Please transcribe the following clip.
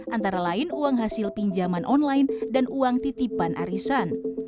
antara lain uang hasil pinjaman online dan uang titipan arisan